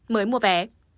mới mua vé